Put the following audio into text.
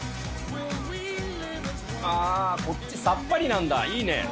あこっちサッパリなんだいいね！